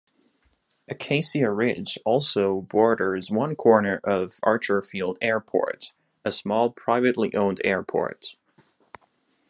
Acacia Ridge also borders one corner of Archerfield Airport; a small, privately owned airport.